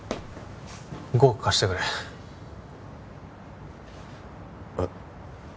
５億貸してくれえっ